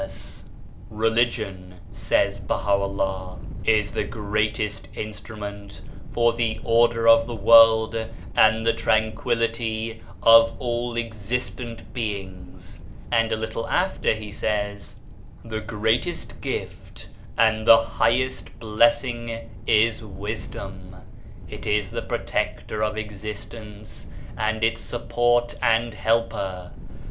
THE INDIVIDUAL 159 " Religion/* says BahaVllah, "is the greatest instrument for the order of the world and the tranquillity of all existent beings." And a little after he says :" The greatest gift and the highest bless ing, is Wisdom. It is the protector of Existence, and its support and helper.